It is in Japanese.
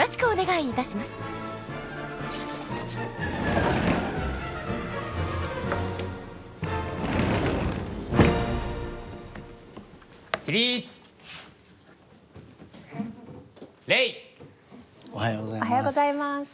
おはようございます。